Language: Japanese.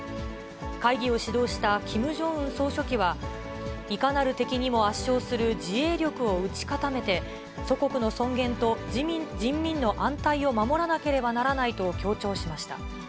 会議を指導したキム・ジョンウン総書記は、いかなる敵にも圧勝する自衛力を打ち固めて、祖国の尊厳と人民の安泰を守らなければならないと強調しました。